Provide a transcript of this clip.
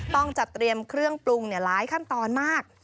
ต้องจัดเตรียมเครื่องปรุงหลายขั้นตอนมาก